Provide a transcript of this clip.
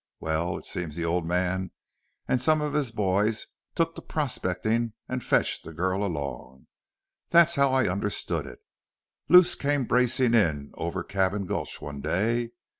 Wal, it seems the old man an' some of his boys took to prospectin' an' fetched the girl along. Thet's how I understood it. Luce came bracin' in over at Cabin Gulch one day.